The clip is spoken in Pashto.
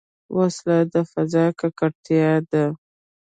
وسله د فضا ککړتیا ده